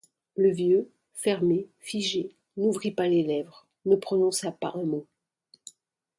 Le vieux, fermé, figé, n’ouvrit pas les lèvres, ne prononça pas un mot.